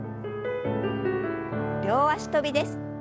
両脚跳びです。